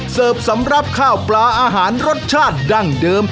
สำหรับข้าวปลาอาหารรสชาติดั้งเดิม